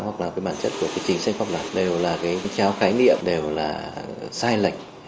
hoặc là cái bản chất của cái chính sách pháp lạc đều là cái cháo khái niệm đều là sai lệnh